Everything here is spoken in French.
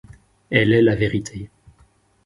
Elle est la vérité ;